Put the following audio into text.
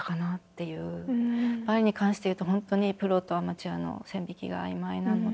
バレエに関して言うと本当にプロとアマチュアの線引きが曖昧なので。